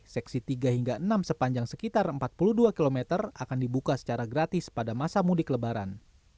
seksi tiga hingga enam sepanjang sekitar empat puluh dua km akan dibuka secara gratis pada masa mudik lebaran